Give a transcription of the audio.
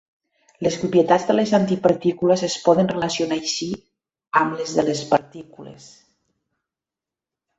Les propietats de les antipartícules es poden relacionar així amb les de les partícules.